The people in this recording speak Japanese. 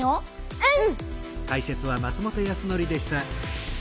うん。